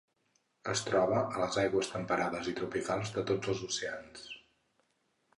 Es troba a les aigües temperades i tropicals de tots els oceans.